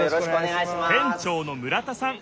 店長の村田さん。